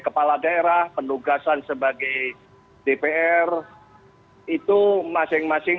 ketua dpp pdi perjuangan